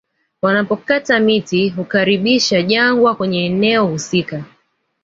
Wanapokata miti hukaribisha jangwa kwenye eneo husika